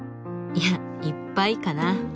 いやいっぱいかな？